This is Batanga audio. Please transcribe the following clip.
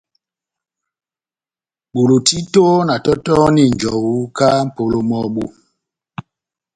Bolo títo na tɔtɔhɔni njɔwu kahá mʼpolo mɔ́bu.